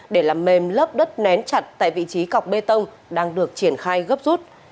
để làm mềm lớp đất nén chặt tại vị trí cọc bê tông đang được triển khai gấp rút